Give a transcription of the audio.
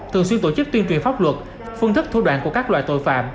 thường xuyên tổ chức tuyên truyền pháp luật phương thức thu đoạn của các loại tội phạm